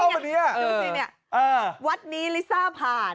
วันนี้ดูสิเนี่ยวัดนี้ลิซ่าผ่าน